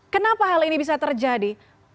kenapa hal ini bisa terjadi